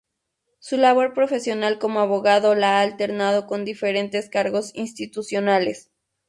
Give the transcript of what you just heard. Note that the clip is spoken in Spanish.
Su labor profesional como abogado la ha alternado con diferentes cargos institucionales.